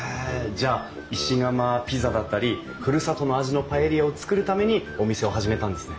じゃあ石窯ピザだったりふるさとの味のパエリアを作るためにお店を始めたんですね？